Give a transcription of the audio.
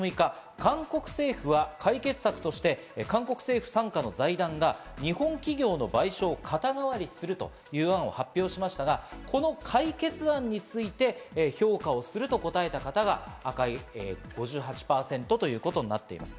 今月６日、韓国政府は解決策として韓国政府傘下の財団が日本企業の賠償を肩代わりするという案を発表しましたが、この解決案について評価をすると答えた方が５８％ということになっています。